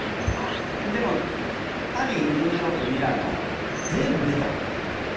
でもパリニューヨークミラノ全部出たことあるとかは。